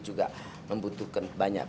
juga membutuhkan banyak